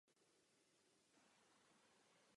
To je jedna věc.